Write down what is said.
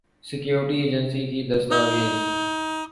security agency کی دستاویز